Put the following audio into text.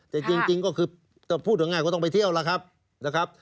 แต่จริงก็คือจะพูดกันง่ายก็ต้องไปเที่ยวนะครับ